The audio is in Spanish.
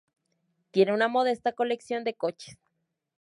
Tiene una modesta colección de coches.